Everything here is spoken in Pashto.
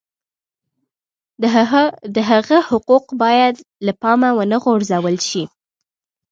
د هغه حقوق باید له پامه ونه غورځول شي.